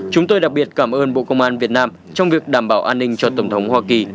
chúng tôi đặc biệt cảm ơn bộ công an việt nam trong việc đảm bảo an ninh cho tổng thống hoa kỳ